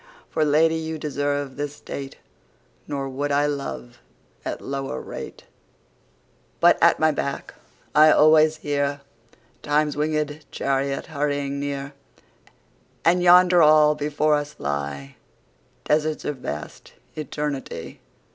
For Lady you deserve this State; Nor would I love at lower rate. But at my back I alwaies hearTimes winged Charriot hurrying near:And yonder all before us lyeDesarts of vast Eternity.